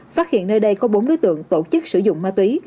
phát hiện nơi đây có bốn đối tượng tổ chức sử dụng ma túy